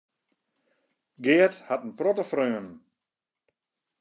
Geart hat in protte freonen.